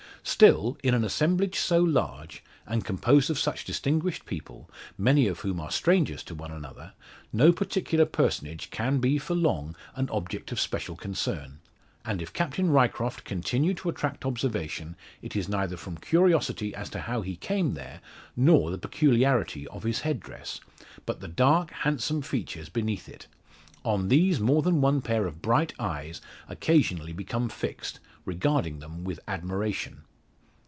Still, in an assemblage so large, and composed of such distinguished people many of whom are strangers to one another no particular personage can be for long an object of special concern; and if Captain Ryecroft continue to attract observation, it is neither from curiosity as to how he came there, nor the peculiarity of his head dress, but the dark handsome features beneath it. On these more than one pair of bright eyes occasionally become fixed, regarding them with admiration.